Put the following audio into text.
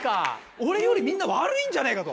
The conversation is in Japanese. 俺よりみんな悪いんじゃねえかと。